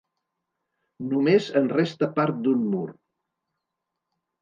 Només en resta part d'un mur.